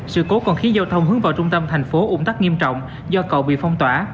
sự cố còn khiến giao thông hướng vào trung tâm thành phố ủng tắc nghiêm trọng do cầu bị phong tỏa